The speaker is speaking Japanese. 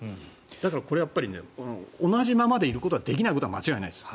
だからこれはやっぱりね同じままでいることはできないことは間違いないです。